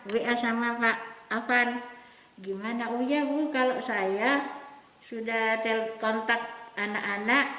saya sama pak avan gimana uya bu kalau saya sudah telkontak anak anak